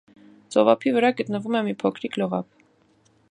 Ծովափի վրա գտնվում է մի փոքրիկ լողափ։